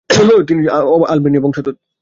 তিনি আলবেনীয় বংশোদ্ভূত।